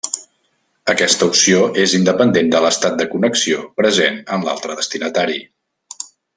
Aquesta opció és independent de l'estat de connexió present en l'altre destinatari.